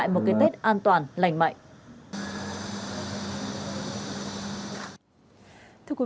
một cái tết an toàn lành mạnh